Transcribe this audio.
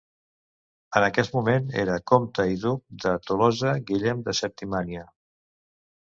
En aquest moment era comte i duc de Tolosa Guillem de Septimània.